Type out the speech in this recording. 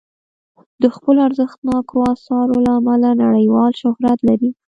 د خپلو ارزښتناکو اثارو له امله نړیوال شهرت لري.